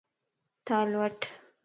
ٿال وٺ